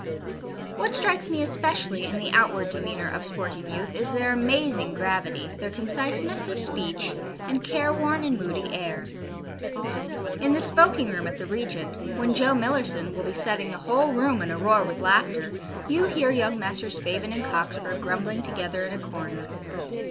What strikes me especially in the outward demeanour of sporting youth is their amazing gravity, their conciseness of speech, and careworn and moody air. In the smoking room at the 'Regent,' when Joe Millerson will be setting the whole room in a roar with laughter, you hear young Messrs. Spavin and Cockspur grumbling together in a corner.